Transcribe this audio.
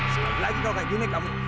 sekali lagi kalau kayak gini kamu